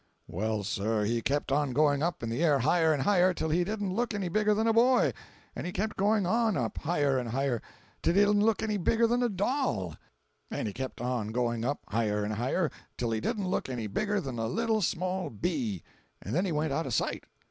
Well, sir, he kept on going up in the air higher and higher, till he didn't look any bigger than a boy—and he kept going on up higher and higher, till he didn't look any bigger than a doll—and he kept on going up higher and higher, till he didn't look any bigger than a little small bee—and then he went out of sight!